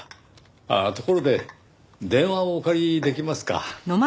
ああところで電話をお借りできますか？